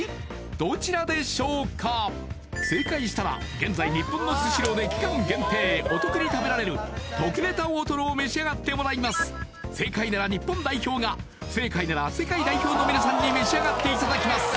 どちらでしょうか正解したら現在日本のスシローで期間限定お得に食べられる特ネタ大とろを召し上がってもらいます正解なら日本代表が不正解なら世界代表の皆さんに召し上がっていただきます